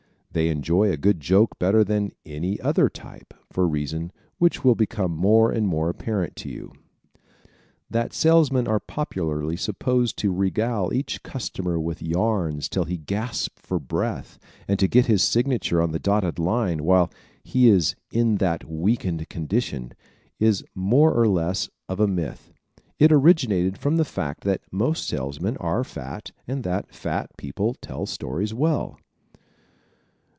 They enjoy a good joke better than any other type, for a reason which will become more and more apparent to you. ¶ That salesmen are popularly supposed to regale each customer with yarns till he gasps for breath and to get his signature on the dotted line while he is in that weakened condition, is more or less of a myth. It originated from the fact that most salesmen are fat and that fat people tell stories well.